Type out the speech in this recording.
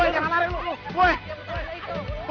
jangan lari lu